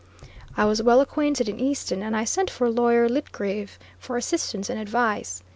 I was well acquainted in Easton, and I sent for lawyer Litgreave for assistance and advice.